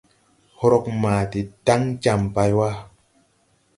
Horɔg ma de daŋ jam bay wà.